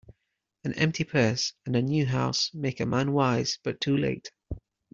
An empty purse, and a new house, make a man wise, but too late.